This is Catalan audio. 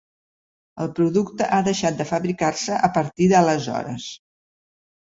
El producte ha deixat de fabricar-se a partir d'aleshores.